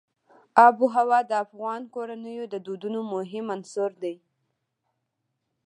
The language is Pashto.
آب وهوا د افغان کورنیو د دودونو مهم عنصر دی.